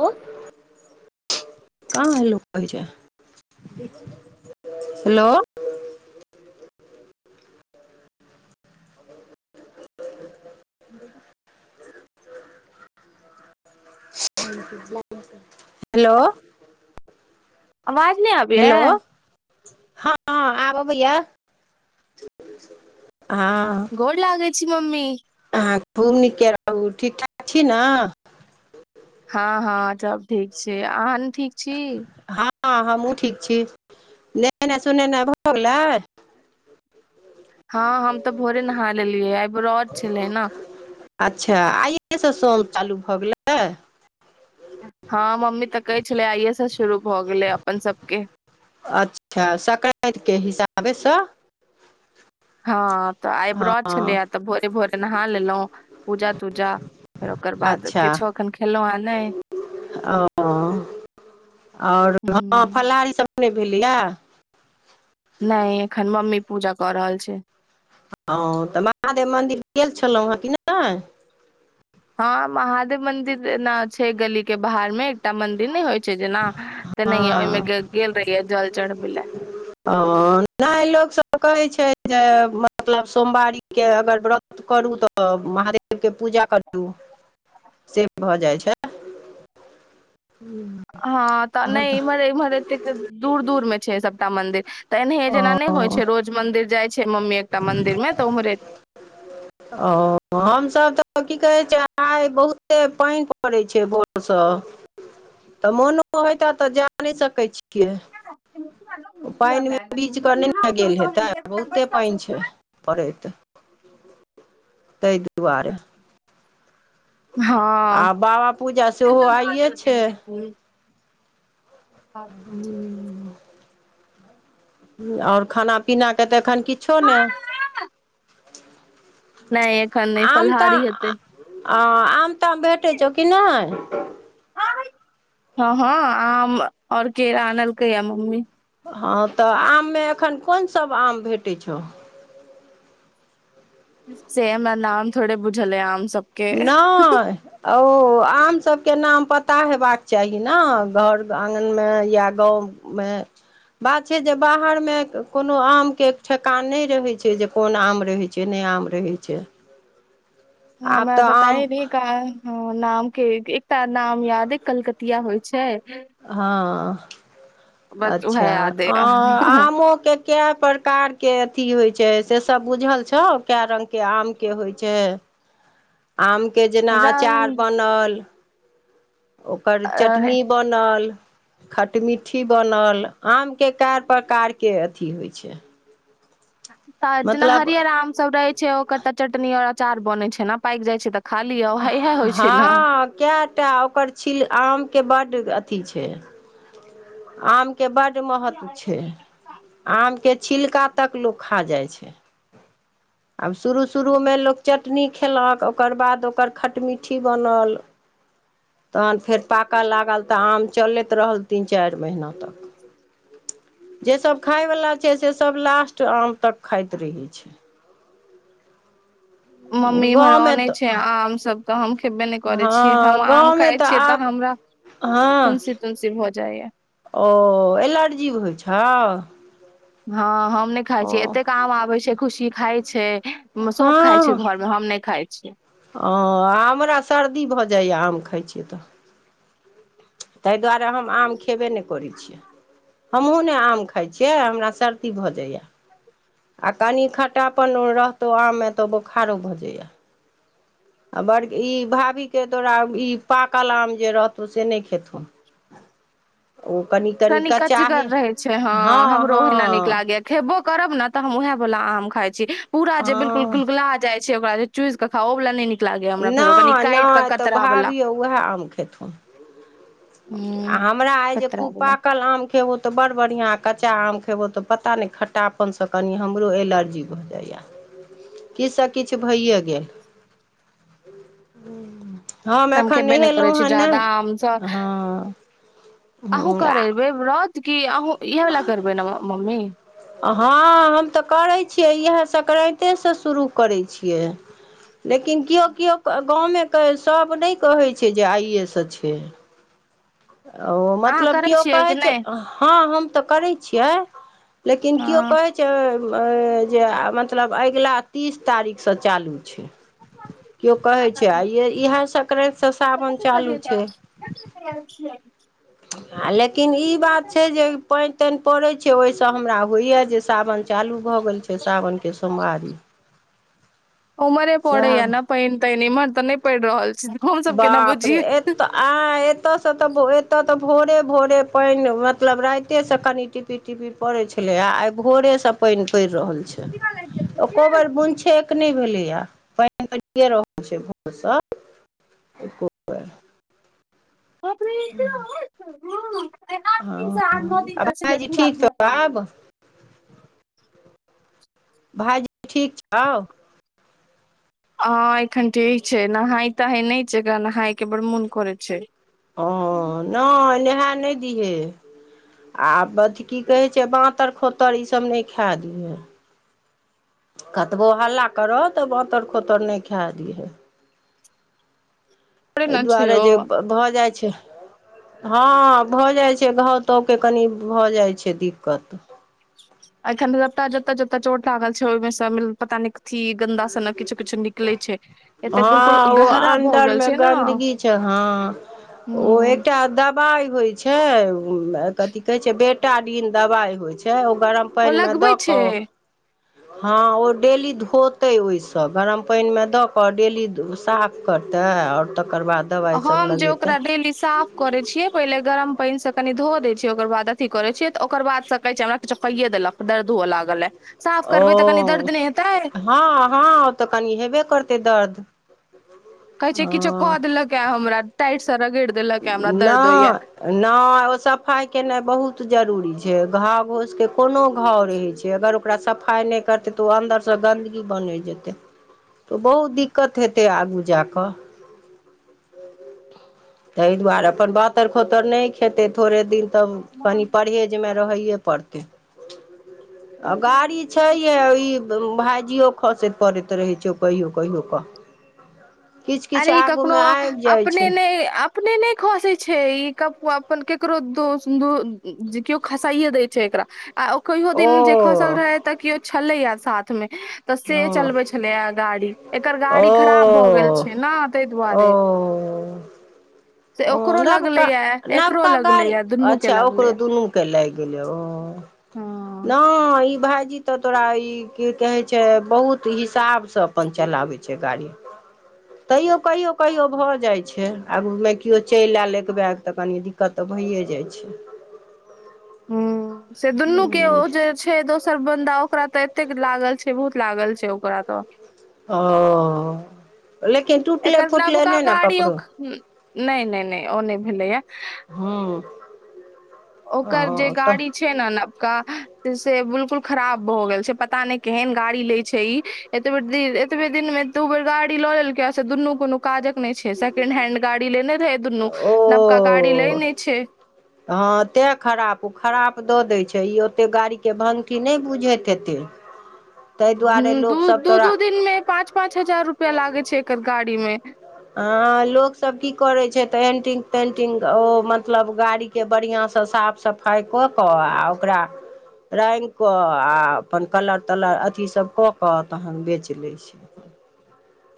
Hello कहाँ लोक [unintelligible] [unintelligible] hello. [unintelligible] Hello. अवाज नहि आबैऐ। हेलो हँ आब अबैया हँ। गोर लागै छी मम्मी। अहाँ खूब नीके रहू ठीक-ठाक छी न। हँ हँ सब ठीक छैय अहाँ ठीक छी। हँ हमहूँ ठीक छी नहेनाई सुनेनाई भऽ गेलै। हँ हम तऽ भोरे नहा लेलियै आइ व्रत छलै ने। अच्छा आइएसँ सोम चालू भऽ गेलै। हँ मम्मी तऽ कहै छलै आइये से शुरू भऽ गेले अपन सबके। अच्छा संक्रान्ति के हिसाबेसँ। हँ तऽ आइ हँ ब्रऽत छलैयैऽ तऽ भोरे भोरे नहा लेलौं पूजा तूजा फेर ओकर बाद अच्छा किछो अखन खेलौं हें नैय। ओ आओर हँ ह फलहार नैय भेलैया? नैय एखन मम्मी पूजा कऽ रहल छै। हँ तऽ महादेव मन्दिर गेल छलौं हेँ कि नैय? हँ महादेव मंदिर ना छै गली के बाहर में एकटा मंदिन नै होइ छै जेना तेनहिए हँ ओई में ग-गेल रहियै जल चढ़बै लैऽ। अऽ नाइ लोकसब कहै छै जे मतलब सोमवारी के अगर ब्रऽत करू तऽ महादेव के पूजा करू, से भऽ जाइ छै। हूँम्म। हँ तऽ नैय इम्हर-इम्हर एतेक दूर-दूर में छै सबटा मंदिर, तऽ एनाहिए जेना नैय होइ ओ छै रोज मंदिर जाइ छै मम्मी एकटा मंदिर में तऽ उम्हरे ओ हमसब तऽ की कहै छै? आइ बहुते पैइन पड़ै छै भोरसँ। तऽ मुनो होइता तऽ जा नैय सकै छियै। पइन में भिजकऽ नैय न गेल हेतै? बहुते पइन छै। पड़ैत, तैइ दुआरे। आ हँ बाबा पूजा सेहो आइए छै। [unintelligible] ह्म्म और खाना पीना के तऽ एखन किछो ने। नहि एखन नहि आम-त-अ फलहारी हेतै आम-ताम भेटै छौ कि नैय? हँ-हँ, आम और केरा आनलकै यैऽ मम्मी। हँ तऽ आम में अखन कुन सब आम भेटै छौ? से हमरा नाम थोड़े बुझल अइ आम सब नाॅऽय। ओ आम सबके नाम पता हेबाक चाही न, घर आंगन में या गाँव मैऽ। बात छै जे बाहर में कोनो आम के ठेकान नैय रहै छै जे कोन आम रहै छै, नैय आम रहै छै। आब ह-हमरा तऽ आम पताए नैय का हँ नाम के एक-एकटा नाम याद अइ कलकतिया होइ छैय। हँ, बस उएह अच्छा याद अइ आं-आमो के कैऽ प्रकार के अथी होइ छै, से सब बुझल छौ कैऽ रंग के आम के होइ छै? आम के जेना अचार रंग बनल। ओकर अ, चटनी बनल। खटमिट्ठी बनल, आम के कैऽ प्रकार के अथी होइ छै। तऽ जेना मतलब हरियर आम सब रहै छै ओकर तऽ चटनी और अचार बनैत छै ना? पाईक जाई छै तऽ खा लिअ उएह इएह होइ छै ने हँ कैऽ टा, ओकर छील-आमके बड्ड अथी छै। आमके बड्ड महत्व छै, आमके छिलका तक लोक खा जाई छै। [inaudible] आब शुरू शुरू में लोक चटनी खेलक, ओकर बाद ओकर खटमीठी बनल। [inaudible] तहन फेर पाकऽ लागल त आम चलैत रहल तीन चारि महीना तक। जे सब खाय बला छै से सब लास्ट आम तक खाइत रहै छै। मम्मी इम्हर गाँवमे अनै छै तऽ आम सब त हम खेब्बे नै करै छियै हँ हम आम गाँवमे खाइ तऽ छियै त आब हमरा फुंसी - तुंसी भ जाइये। ओऽ एलर्जी होइ छौ। हँ हम नै खाय ओ छियै एतेक आम आबै छै खुशी खाय छै, म सब खाय छै हँ घर मे हम नै खाइ छियै। ओ आ हमरा सर्दी भऽ जाइये आम खाइ छियै तऽ। तै दुआरे हम आम खेबे नै करै छियै। हमहुँ ने आम खाइ छियै हमरा सर्दी भऽ जाइये। आ कनी खट्टापन रहतौ आम मे तऽ बोखारो भऽ जाइये। आ बड़ -इ भाभी के तोरा इ पाकल आम जे रहतौ से नै खेथुन। [inaudible] ओ कनिक कनि कचगर रहै छै हँ हमरो ओहिना नीक हँ लागैये। खेबो करब ने तऽ हम वेहेए बला आम खाइ छी पूरा जे बिलकुल हँ गुलगुला जाय छै ओकरा चुइस क खाउ ओ बला नै नीक लागैये हमरा फेर ओ कनि नहि काटि कऽ नहि तऽ कतरा बला। भाभियो उएह आम खेथुन आ हमरा अइ जे कतरा खुब वाला पाक कल आम खेबौ तऽ बड़ बढ़ियां कच्चा आम खेबौ तऽ पता नै खट्टापन सँ कनी हमरो एलर्जी भऽ जाइये। ह [inaudible] किछ स किछ भइये गेल। [inaudible] हम तऽ एखन खेबे नहि करै नहेलहुँ छी हे नहि जादा आम सब हॅं। अहूँ करेबै ब्रत की अहूॅं इहेए बला करबै ने मम्मी? हँअ हम तऽ करै छियै इहेए संक्राइते सँ शुरू करै छियै। लेकिन कियो- कियो क गाँव मे क सब नै कहै छै जे आइये सँ छै। ओ अहाँ मतलब करै कियो छियै कहै कि छै नहि हँ हम त करै छियै। लेकिन कियो हँ कहै छै कियो जे मतलब अगिला तीस तारीख सँ चालू छै। कियो कहै छै आ इहेए सकरांइत स सावन चालू छै। कतेक रियेएल खियेएल छी। लेकिन इ बात छै जे पाइन- ताइन पड़ै छै ओहि सँ हमरा होइये जे सावन चालू भऽ गेल छै सावन के सोमबारी। ओम्हरे पड़ैये सएह ने पाइन- ताइन इम्हर तऽ नै पड़ि रहल छै हम सब केना बुझियै। ह [unintelligible] एतऽ से तऽ एतऽ तऽ भोरे- भोरे पाइन मतलब राइते से कनि टिप टीपीर - टीपीर पड़ै छलैये आ आइ भोरे से पाइन पैड़ रहल छै। ओको बेर बुन छेक नै भेलैये पाइन पैड़िये रहल छै भोर सॅं। [inaudible] ह [unintelligible] ह [unintelligible] हूॅं आइ नौ दिन सॅं आठ, नौ दिन आ सॅं छलैए भायजी पूरा ठीक छौ भरल। आब भाइजी ठीक छौ? हॅं एखन ठीक छै नहाय - तहाय नै छै एकरा नहाय के बड़ मोन करै छै। अँऽ नैय नेहैं नहि दिहय आ बथि की कहैत छै, बाँतर-खोतर इसब नै खैंए दिहैं कतबो हल्ला करौउ, तऽ बाँतर-खोतर नै खैए दिहै एय ने छै दुआरे ओ जे भऽ जाइ छै हँ भऽ जाइ छै, घाव-तावके कनि भऽ जाइत छय दिक्कत एखन सबटा जत्तऽ- जत्तऽ चोट लागल छै, ओहिमें सब पता नहि कथी गन्दा-सनक किछु-किछु निकलै छै, एते बिलकुल हँ ओ गहरा भऽ गेल अन्दरमे छै न ओह एकटा दब बाइ होइ छै, कथी कहै छै बेटाडिन दबाइ होइ छै, ओ गरम ओ पानिमे लगबै दऽ कऽ छै हँ ओ डेली धोतै ओहिसँ, गरम पानिमे दऽ कऽ डेली साफ करतै आओर तकर बाद दबाइसभ हम जे लगेतै ओकरा डेली साफ करै छियै पहिले गरम पानिसँ कनि धोय दै छियै, ओकर बाद अथी करै छियै, तऽ ओकर बाद स कहै छै हमरा किछो कइए देलक। दर्द हुअ लागल ए, साफ करबै तऽ कनी दर्द नहि हेतै। हँ-हँ त कनि हेबे करतै दर्द कहे छै किछो कऽ हँ देलक हैं हमरा, टाइट स रगैड़ नऽ नहि ओ सफाइ केनाइ बहुत जरूरी छै, घाव-घोसकें कोनो घाव रहै छै, अगर ओकरा सफाइ नहि करतै तऽ, ओ अन्दरसँ गन्दगी बनै जेतै तऽ बहुत दिक्कत हेतै आगू जा कऽ तहि दुआरे अपन बांतर-खोतर नहि खेतै, थोड़े दिन तऽ कनि परहे ज मे रहैये पड़तय, गाड़ी छै के ई भाइजीयो खसैत पड़ैत रहै छ‌ऊ, कहियो-कहियो कऽ किछु किछु अरे इ कखनो आगूमे आबि जाइ छै अपने नहि अप अपने नहि खसै छै ई कप्पुआ, अपन केकरो दोस् दू कियो खसाइये दै छै एकरा। आ ओ कहियो ओ दिन जे खसल रहै, तऽ कियो छलैया साथमे तऽ से ओ चलबै छलैय गाड़ी, एकर गाड़ी ओ खराब भए गेल छै छै न तय दुआरे। ओ से ओ ओकरो नवका लगलय यैं, एकरो नवका लगलय यैं, दुन्नू के लगलय यैं कैं लाइग गेलै ओ हँ नय‌ इ भाईजी त तोरा ई की कहे छै, बहुत हिसाब स अपन चलाबै छै गाड़ी तैयो कहियो-कहियो भऽ जाइ छै, आगूमे कियो चलि आएल एकबैग, तऽ कनि दिक्कत तऽ भइए जाइ छै। हूं से दुन्नू के ओ जे छै दोसर बन्दा ओकरा तऽ एतेक लागल छै, बहुत लागल छै ओकरा तऽ ओं लेकिन टु एकर नबका गाड़ी ओख, नहि, नहि, नहि ओ नहि भेलै यैं हं ओकर जे गाड़ी छै छै ने नवका से बिलकुल खराब भऽ गेल छै, पता नहि केहन गाड़ी लय छै ई एतबे दि -एतबे दिन मे दू बेर गाड़ी ल लेलकै, से दुनू कोनो काजक नहि छै, सकेंड हेंड गाड़ी लेने रहै दुनू, नवका गाड़ी लय ओ नहि छै। हँ तैं खराप‌ उ ओ खराप दऽ दै छै, ई ओतेक गाड़ीके भंगठी नहि बुझैत हेतै। ताहि दुआरे हं दू लोकसभ दू तोरा दू दिन मे पाँच पाँच हजार रुपया लागै छै एकर गाड़ी मे। हं लोक सब की करे छै तऽ एंटिंग तेंटिंग ओ मतलब गाड़ी के बढ़िआँसँ साफ सफाई कऽ कऽ आ ओकरा रंगि कऽ आ अपन कलर तलर अथि सब कऽ कऽ तखन बेच लै छै।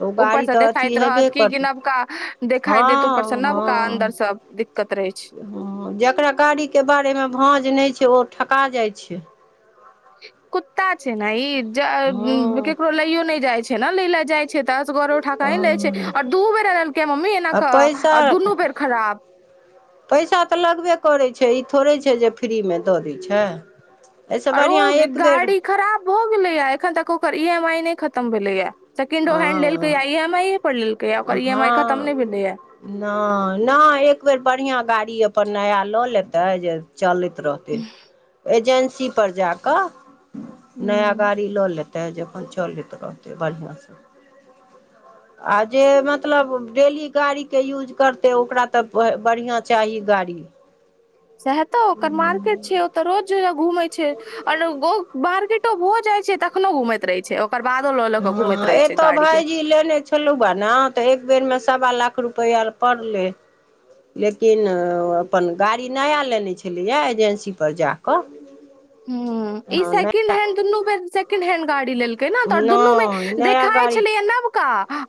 तऽ ओ ऊपर गाड़ी से तऽ अथी देखाइत रहत हेबे की करतै नबका, देखाय देत ऊपर हँ से नबका हँ अन्दरसँ दिकत रहै छै। हँ जकरा गाड़ीके बारेमे भाँज नहि छै ओ ठका जाइ छै। कुत्ता छै ने ई, हँ केकरो लइयो नहि जाइ छै। नै ल जाइ छै, ते असगरो ठकाई लै छै हँ और दू बेर एनलकै मम्मी एना आ पैसा और दुनू बेर खराब। पैसा तऽ लगबे करैत छै ई थोड़े छै जे फ्रीमे दऽ दै छै। एहिसँ आर बढ़िआँ ओ एक बेर गाड़ी खराब भऽ गेलैए, एखन तक ओकर ई एम आई नहि खतम भेलैए। सकेंडो हैंड हँ लेलकै या ई एम आई ये पर लेलकैया ओकर ई एम आई खत्म नै भेलैया। नै, नै एक बेेर बढ़ियाँ गाड़ी अपन नया लऽ लेतै जे चल रहतै, एजेंसी पर जा क नया ह गाड़ी ल लेेतै। तै जे अपन चलैत रहतै बढ़ियाँ से। आ जे मतलब डेली गाड़ी के यूज करतै ओकरा तऽ बढ़ियाँ चाही गाड़ी। साएहे तऽ ओकर मार्केट छै, ओ ते रोज घूमै छै और [unintelligible] मार्केटो भऽ जाय छै, तखनो घूमैत रहै छै ओकर बादो लऽ लऽ के घुमैत रहेै छै गाड़ी के। की लेने छ- [unintelligible] बा ना तऽ एक बेर मे सवा लाख रुपैया आर पड़लै। लेकिन ओ अपन गाड़ी नया लेनै छलैया एजेन्सी पर जाकऽ। हूँ ई सेकेंड हैंड दुनू बेर सेकेंड हैंड गाड़ी लेल एना तऽ दुनू मे नया देखाइ गाड़ी छलैये नबका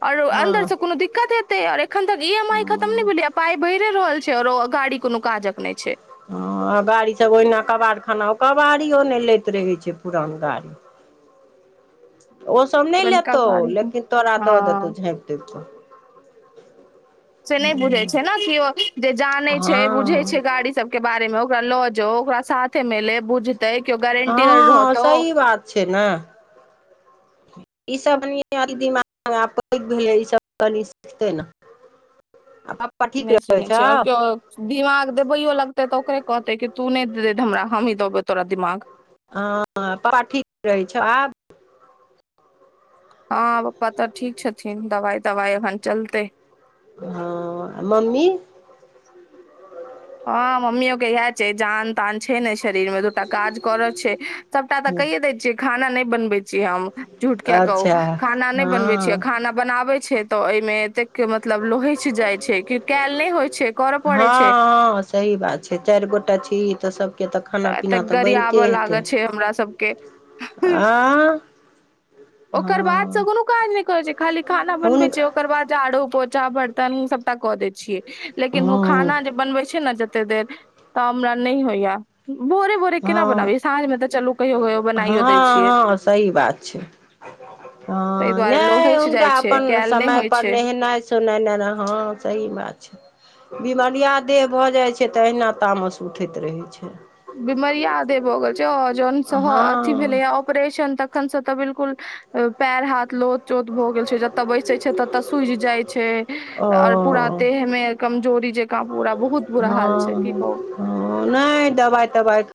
और हँ अन्दर से कोनो बिकट और एखन तक ई एम आई खतम नहि भेलियै पाई बढ़िे रहल छै औरो, गाड़ी कोनो काजक नहि छै। हां ओ गाड़ी सब ओहिना कबाड़ खाना ओ कबाड़ियो नै लैत रहै छै पुरान गाड़ी। ओसभ नहि पुरनका लेतहु, गाड़ी लेकिन तोरा दऽ देतहु हँ झाँपि- तोपि कऽ। से नै बुझै छै नै कि ओ जे जाने छै, बुझै छै हँ गाड़ी सब के बारे मे ओकरा लऽ जो ओकरा साथे मिले बुझतेै कियो गारंटियर हँ रहतौ। सही बात छै ना। ई सब कनि [unintelligible] दिमाग मे आब पैग भेलै ई सब कनी सिखतै ना। आ पप्पा ठीक नहि रहै सुनै छै छौ। आओर केओ दिमाग देबैयो लगतै तऽ ओकरे कहतै कि तू नै देली ते हमरा हमही देबौ तोरा दिमाग। हँ बाबा ठीक रहै छौ आब? हां पप्पा तऽ ठीक छथिन दवाई-तवाई एखन चलतै। हां आ मम्मी। हां मम्मियों के इहाए छै जान-तान छै ने शरीर मे ते तऽ काज करऽ छैय सबटा तऽ कैये दय छियै खाना नैय बनबै छी हम झूठ किया कहु अच्छा खाना नै बनबै हँ छीयै, हँ खाना बनाबै छिये तऽ ए मे एतेक के मतलब लोहेछ जाय छै कि काएल नै होय छै, करऽ पड़ै छै। हँ सही बात छै, चार गोटा छीही तऽ सब के तऽ खाना पीना एतेक तऽ बैनते गरियाबऽ लागऽ हेतै छै हमरा सबके आँ। ओकर बाद से हँ कुनू काज नै करै छै, खाली खाना बनबै हुन छै ओकर बाद झाड़ू पोछा बर्तन सबटा कऽ दै छियै। लेकिन उ हँ खाना जे बनबै छै ने जते देर तऽ हमरा नै होयया। हँ चलू कहियो कहियो बनाइयो दै हँ छियै हँ सही बात छैय। ताहि हां दुआरे नै लोहछि जाइ हुनका छै अपन कयल नहि समय होइ पर छै नेहेनाय सुनेने रहौ सही बात छैय। बिमरियाह देह भऽ जाइ छैय तऽ अहिना तामस उठैत रहै छैय। बिमारीयाह देह भऽ गेल छैह जनि सँह हँ अथी भेलै। ऑपरेशन तखन से तऽ बिलकुल अ पैर-हाथ लोथ चोत भऽ गेल छै ज तऽ बैसे छैय ततऽ सूझ जाइ छैय। ओ और पूरा देह में कमजोरी जकाँ पूरा बहुत बुरा हाल छैय की कहू। हं नैय दबाई तबाई ख